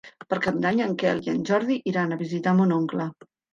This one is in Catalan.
Per Cap d'Any en Quel i en Jordi iran a visitar mon oncle.